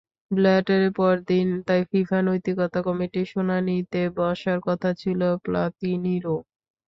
ব্ল্যাটারের পরদিন তাই ফিফা নৈতিকতা কমিটির শুনানিতে বসার কথা ছিল প্লাতিনিরও।